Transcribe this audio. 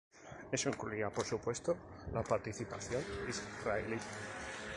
Eso incluía, por supuesto, la participación israelí.